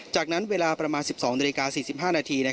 จากนั้นเวลาประมาณ๑๒นาฬิกา๔๕นาที